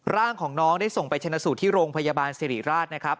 ร่างของน้องได้ส่งไปชนะสูตรที่โรงพยาบาลสิริราชนะครับ